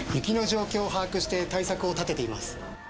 雪の状況を把握して対策を立てています。